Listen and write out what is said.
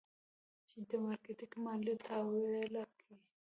چې د مارکېټ ماليه تاويله کي.